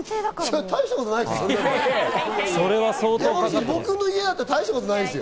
うちは大したことないですよ。